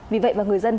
vì vậy và người dân